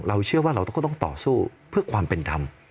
เชื่อว่าเราก็ต้องต่อสู้เพื่อความเป็นธรรม